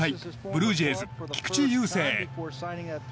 ブルージェイズ、菊池雄星。